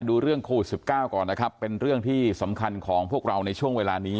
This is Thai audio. ดูเรื่องโควิด๑๙ก่อนนะครับเป็นเรื่องที่สำคัญของพวกเราในช่วงเวลานี้